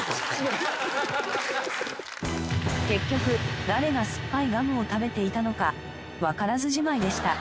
結局誰がすっぱいガムを食べていたのかわからずじまいでした。